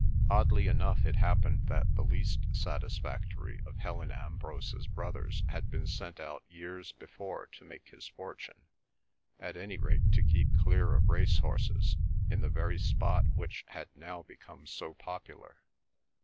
Oddly enough it happened that the least satisfactory of Helen Ambrose's brothers had been sent out years before to make his fortune, at any rate to keep clear of race horses, in the very spot which had now become so popular.